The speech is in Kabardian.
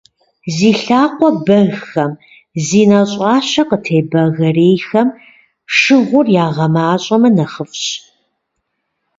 Зи лъакъуэ бэгхэм, зи нэщӀащэ къытебэгэрейхэм шыгъур ягъэмащӀэмэ нэхъыфӀщ.